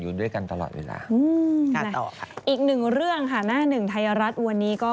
ดูไปเรื่อยอย่างเงี้ย